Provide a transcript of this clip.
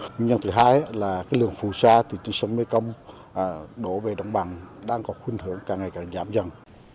nguyên nhân thứ hai là lường phù sa từ sông mê công đổ về đồng bằng đang có khuyến hưởng càng ngày càng giảm dần